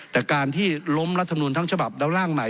แต่การที่ล้มรัฐมนุนทั้งฉบับแล้วร่างใหม่